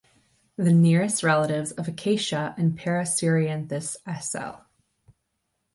The nearest relatives of "Acacia" and "Paraserianthes s.l.